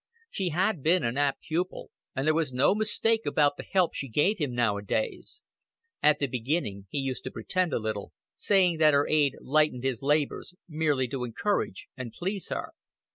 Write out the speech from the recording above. She had been an apt pupil, and there was no mistake about the help she gave him nowadays. At the beginning he used to pretend a little, saying that her aid lightened his labors, merely to encourage and please her.